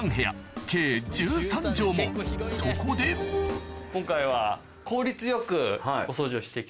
そこで今回は。